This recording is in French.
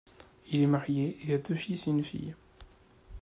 Il est marié et a deux fils et une fille.